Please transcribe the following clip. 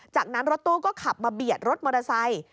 จากนั้นรถตู้ก็ขับมาเบียดรถมอเตอร์ไซค์